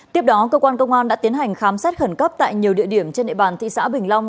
tiếp đó cơ quan công an đã tiến hành khám xét khẩn cấp tại nhiều địa điểm trên địa bàn thị xã bình long